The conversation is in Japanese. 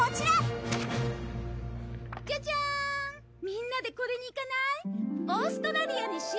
みんなでこれに行かない？